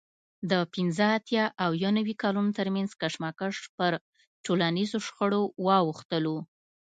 د پینځه اتیا او یو نوي کالونو ترمنځ کشمکش پر ټولنیزو شخړو واوښتلو